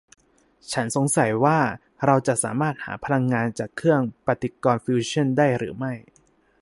ฉันสงสัยว่าเราจะสามารถหาพลังงานจากเครื่องปฏิกรณ์ฟิวชั่นได้หรือไม่